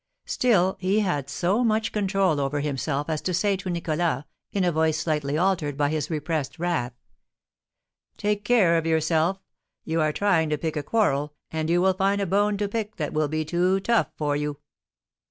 Still, he had so much control over himself as to say to Nicholas, in a voice slightly altered by his repressed wrath: "Take care of yourself! You are trying to pick a quarrel, and you will find a bone to pick that will be too tough for you."